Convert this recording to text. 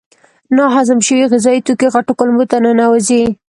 ناهضم شوي غذایي توکي غټو کولمو ته ننوزي.